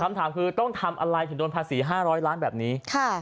คำถามคือต้องทำอะไรถึงโดนภาษี๕๐๐ล้านแบบนี้